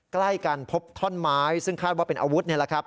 ใกล้กันพบท่อนไม้ซึ่งคาดว่าเป็นอาวุธนี่แหละครับ